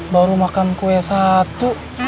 baru makan kue satu